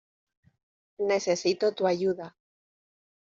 Necesito tu ayuda.